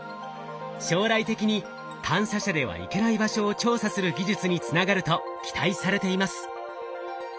将来的に探査車では行けない場所を調査する技術につながると期待されています。